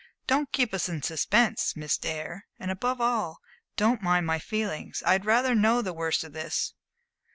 "Don't keep us in suspense, Miss Dare, and above all, don't mind my feelings. I would rather know the worst of this."